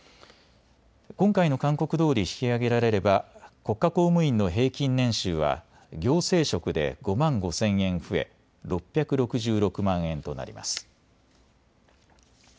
今回の勧告どおり引き上げられれば国家公務員の平均年収は行政職で５万５０００円増え６６６万円となります。